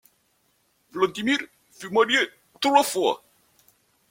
Vladimir fut marié trois fois.